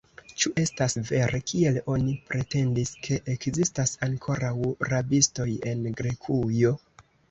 Ĉu estas vere, kiel oni pretendis, ke ekzistas ankoraŭ rabistoj en Grekujo?